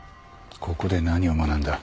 ここで何を学んだ？